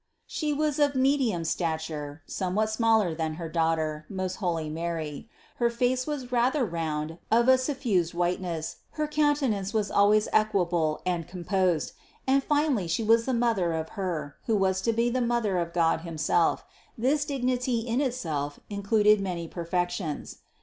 She was of medium stature, somewhat smaller than her Daughter, most holy Mary ; her face was rather round, of a suffused whiteness, her countenance was always THE CONCEPTION 555 equable and composed, and finally She was the mother of Her, who was to be the Mother of God himself; this dignity in itself included many perfections.